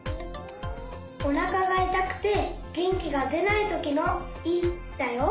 おなかがいたくてげんきがでないときの「い」だよ。